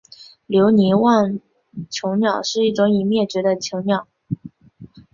留尼旺椋鸟是一种已灭绝的椋鸟。